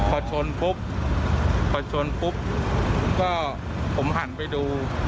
พอชนปุ๊บพอชนปุ๊บก็ผมหันไปดู